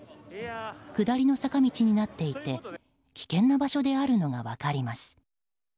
下りの坂道になっていて危険な場所であるのが分かります。